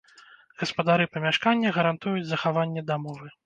Гаспадары памяшкання гарантуюць захаванне дамовы.